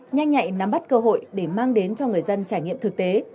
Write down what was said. nhanh nhạy nắm bắt cơ hội để mang đến cho người dân trải nghiệm thực tế